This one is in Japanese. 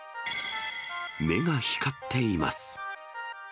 目が光っています。